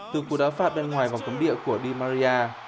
từ cucuza pháp đến ngoài vòng cấm địa của di maria